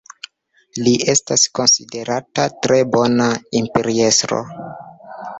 Li estas konsiderata tre bona imperiestro.